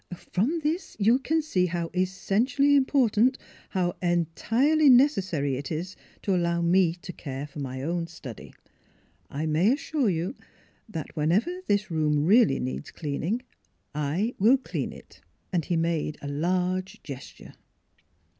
From this you can see how essentially important, how entirely necessary it is to allow me to care for my own study. I may assure you 8 THE HEART OF PHILURA that whenever this room really needs cleaning, I will clean it! " And he made a large gesture.